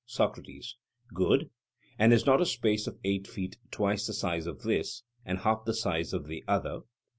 SOCRATES: Good; and is not a space of eight feet twice the size of this, and half the size of the other?